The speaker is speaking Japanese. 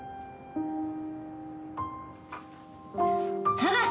ただし！